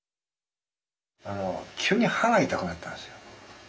急に歯が痛くなったんですよ。